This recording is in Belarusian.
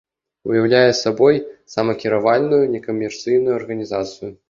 Уяўляе сабой самакіравальную некамерцыйную арганізацыю.